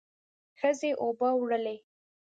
ښځې اوبه وړلې.